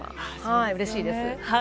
うれしいです。